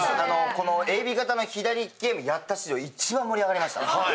ＡＢ型の左利きゲームやった史上一番盛り上がりました。